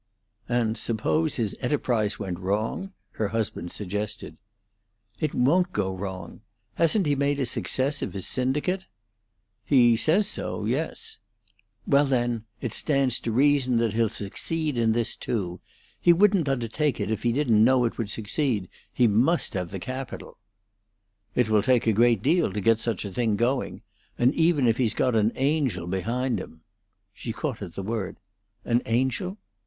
"And suppose his enterprise went wrong?" her husband suggested. "It won't go wrong. Hasn't he made a success of his syndicate?" "He says so yes." "Very well, then, it stands to reason that he'll succeed in this, too. He wouldn't undertake it if he didn't know it would succeed; he must have capital." "It will take a great deal to get such a thing going; and even if he's got an Angel behind him " She caught at the word "An Angel?"